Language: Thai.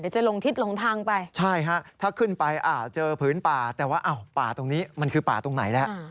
จะลงทิศหลงทางไปใช่ฮะถ้าขึ้นไปเจอผืนป่าแต่ว่าอ้าวป่าตรงนี้มันคือป่าตรงไหนแล้ว